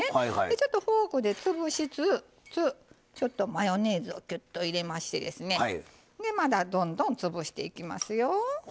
ちょっとフォークで潰しつつマヨネーズをぎゅっと入れましてですねまだどんどん潰していきますよ。